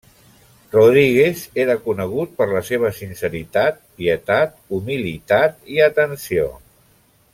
Rodríguez era conegut per la seva sinceritat, pietat, humilitat i atenció.